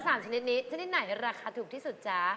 ชนิดนี้ชนิดไหนราคาถูกที่สุดจ๊ะ